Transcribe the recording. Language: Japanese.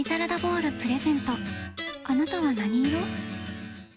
あなたは何色？